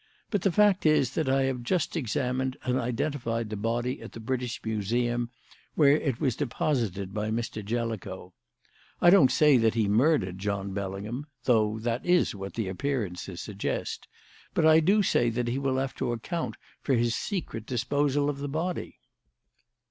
"But the fact is that I have just examined and identified the body at the British Museum, where it was deposited by Mr. Jellicoe. I don't say that he murdered John Bellingham though that is what the appearances suggest but I do say that he will have to account for his secret disposal of the body."